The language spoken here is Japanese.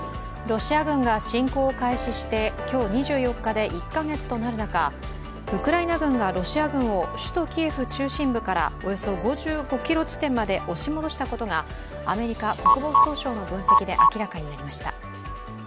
ロシア軍が侵攻を開始して今日２４日で１カ月となる中、ウクライナ軍がロシア軍を首都キエフ中心部からおよそ５５ｋｍ地点まで押し戻したことがアメリカ国防総省の分析で明らかになりました。